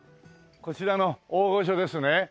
こちらの大御所ですね？